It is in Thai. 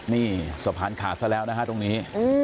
นี่สะพานขาดซะแล้วนะฮะตรงนี้